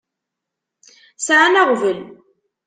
Sɛan aɣbel.